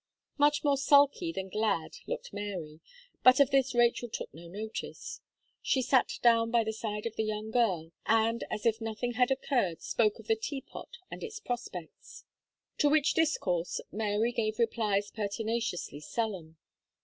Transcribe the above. Much more sulky than glad looked Mary, but of this Rachel took no notice; she sat down by the side of the young girl, and, as if nothing had occurred, spoke of the Teapot and its prospects. To which discourse Mary gave replies pertinaciously sullen.